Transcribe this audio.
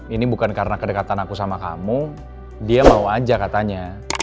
ini bukan karena kedekatan aku sama kamu dia mau aja katanya